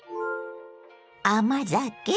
甘酒？